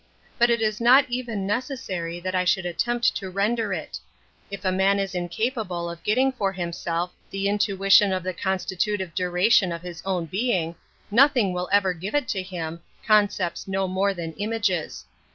But it is not even necessary that I should attempt to render it. If a man is incapable of getting for himself the intuition of the An Introduction to constitutive duration of his own being, nothing will ever give it to him, concepts po more than images.